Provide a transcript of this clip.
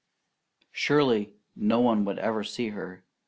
Surely no one would ever see her!